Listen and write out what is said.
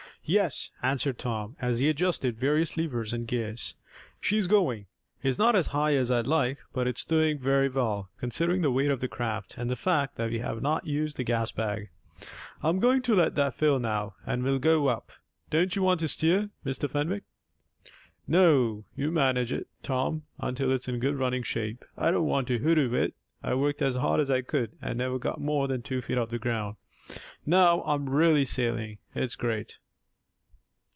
"Yes," answered Tom, as he adjusted various levers and gears, "she is going. It's not as high as I'd like, but it is doing very well, considering the weight of the craft, and the fact that we have not used the gas bag. I'm going to let that fill now, and we'll go up. Don't you want to steer, Mr. Fenwick?" "No, you manage it, Tom, until it's in good running shape. I don't want to 'hoodoo' it. I worked as hard as I could, and never got more than two feet off the ground. Now I'm really sailing. It's great!"